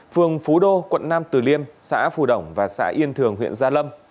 phường phú đô quận nam tử liêm xã phù đổng và xã yên thường huyện gia lâm